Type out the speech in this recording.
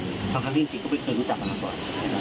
ครั้งครั้งท่านฮิล์นจิกก็ไม่เคยรู้จักษาต่อกัน